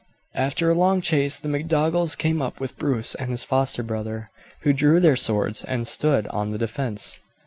After a long chase the MacDougalls came up with Bruce and his foster brother, who drew their swords and stood on the defence.